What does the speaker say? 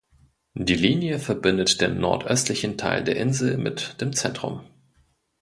Die Linie verbindet den nordöstlichen Teil der Insel mit dem Zentrum.